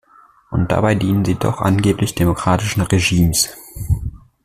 Und dabei dienen sie doch angeblich demokratischen Regimes.